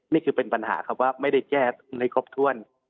นี่เป็นปัญหาว่าไม่ได้แจ้ในครบถ้วน